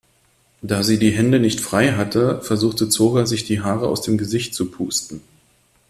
Da sie die Hände nicht frei hatte, versuchte Zora sich die Haare aus dem Gesicht zu pusten.